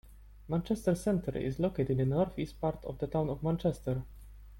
Manchester Center is located in the northeast part of the town of Manchester.